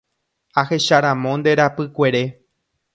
Ahecharamo nde rapykuere.